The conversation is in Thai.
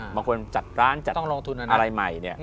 บางคนจัดร้านจัดอะไรใหม่